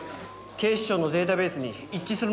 警視庁のデータベースに一致するものがありました。